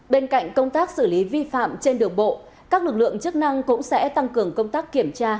bên cạnh công tác xử lý vi phạm trên đường bộ các lực lượng chức năng cũng sẽ tăng cường công tác kiểm tra